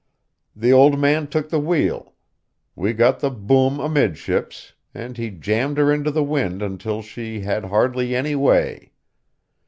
The old man took the wheel; we got the boom amidships, and he jammed her into the wind until she had hardly any way.